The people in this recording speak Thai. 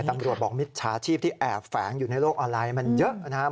ตำรวจบอกมิจฉาชีพที่แอบแฝงอยู่ในโลกออนไลน์มันเยอะนะครับ